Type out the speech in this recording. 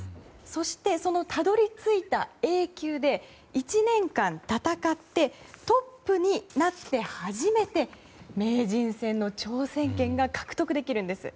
そして、そのたどり着いたＡ級で１年間、戦ってトップになって初めて名人戦の挑戦権が獲得できるんです。